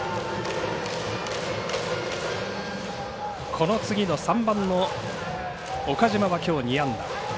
この次の３番の岡島はきょう２安打